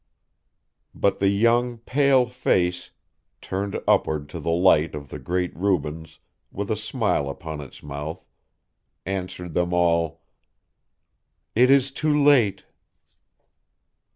But the young pale face, turned upward to the light of the great Rubens with a smile upon its mouth, answered them all, "It is too late."